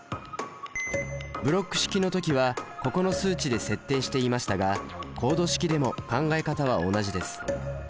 ブロック式の時はここの数値で設定していましたがコード式でも考え方は同じです。